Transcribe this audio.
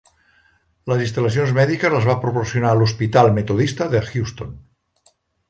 Les instal·lacions mèdiques les va proporcionar l'Hospital Metodista de Houston.